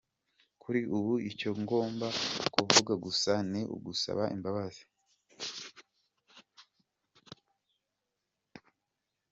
Kuri ubu icyo ngomba kuvuga gusa ni ugusaba imbabazi".